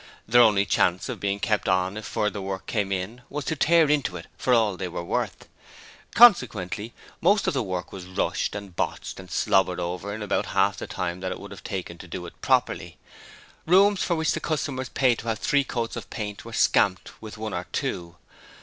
Their only chance of being kept on if other work came in was to tear into it for all they were worth. Consequently, most of the work was rushed and botched and slobbered over in about half the time that it would have taken to do it properly. Rooms for which the customers paid to have three coats of paint were scamped with one or two.